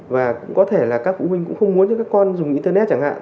và cũng có thể là các phụ huynh cũng không muốn cho các con dùng internet chẳng hạn